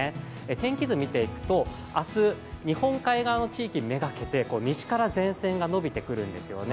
天気図見ていくと、明日日本海側の地域にめがけて西から前線がのびてくるんですよね。